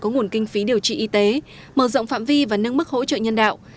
có nguồn kinh phí điều trị y tế mở rộng phạm vi và nâng mức hỗ trợ nhân đạo